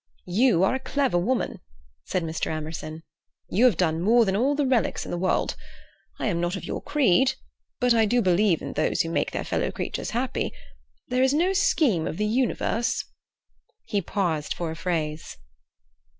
"You are a clever woman," said Mr. Emerson. "You have done more than all the relics in the world. I am not of your creed, but I do believe in those who make their fellow creatures happy. There is no scheme of the universe—" He paused for a phrase.